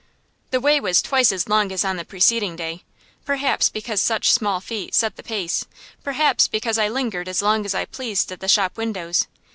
The way was twice as long as on the preceding day, perhaps because such small feet set the pace, perhaps because I lingered as long as I pleased at the shop windows.